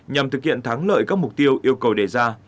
nhằm thực hiện thắng lợi các mục tiêu yêu cầu đề ra